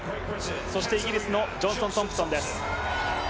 そしてイギリスのジョンソン・トンプソンです。